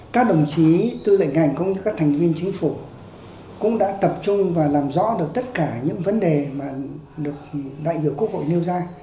các đồng chí tư lệnh ngành cũng như các thành viên chính phủ cũng đã tập trung và làm rõ được tất cả những vấn đề mà được đại biểu quốc hội nêu ra